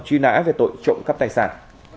truy nã về tội trộm cắp tài sản